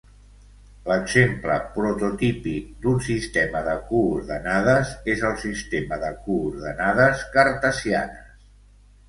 L'exemple prototípic d'un sistema de coordenades és el sistema de coordenades cartesianes.